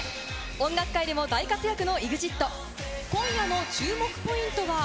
音楽界でも大活躍のＥＸＩＴ。